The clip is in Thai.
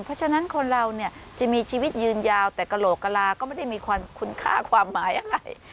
เพราะฉะนั้นคนเราเนี่ยจะมีชีวิตยืนยาวแต่กระโหลกกระลาก็ไม่ได้มีความคุณค่าความหมายอะไร